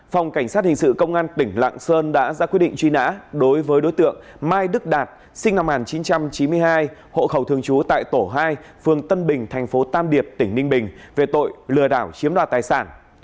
phòng cảnh sát hình sự công an tỉnh lạng sơn đã ra quyết định truy nã đối với đối tượng mai đức đạt sinh năm một nghìn chín trăm chín mươi hai hộ khẩu thường trú tại tổ hai phường tân bình thành phố tam điệp tỉnh ninh bình về tội lừa đảo chiếm đoạt tài sản